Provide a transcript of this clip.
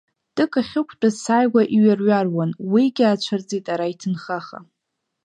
Тык ахьықәтәаз сааигәа иҩарҩаруан, уигьы аацәырҵит ара иҭынхаха…